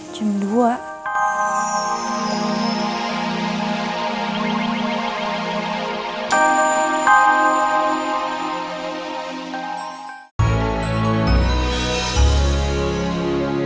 jam berapa sih